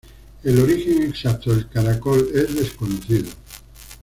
El origen exacto del caracol es desconocido.